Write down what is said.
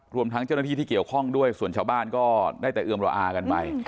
รวมทั้งเจ้าหน้าที่ที่เกี่ยวข้องด้วยส่วนชาวบ้านก็ได้แต่เอือมระอากันไป